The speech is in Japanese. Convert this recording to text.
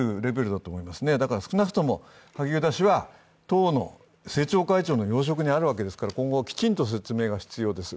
だから少なくとも、萩生田氏は党の政調会長の要職にあるわけですから、今後、きちんと説明が必要です。